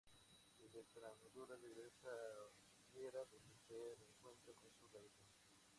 Desde Extremadura regresa a Enguera, donde se reencuentra con sus raíces.